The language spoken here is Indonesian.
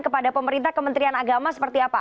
kepada pemerintah kementerian agama seperti apa